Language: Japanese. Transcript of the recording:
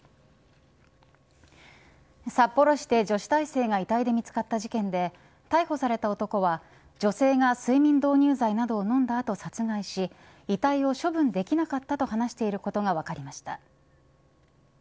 札幌市で女子大生が遺体で見つかった事件で逮捕された男は女性が睡眠導入剤などを飲んだ後殺害し遺体を処分できなかったと話していることが分かりました。